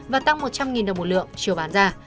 và tăng một trăm linh đồng một lượng chiều bán ra